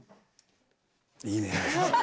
いいね。